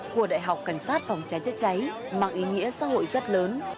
của đại học cảnh sát phòng trái chết cháy mang ý nghĩa xã hội rất lớn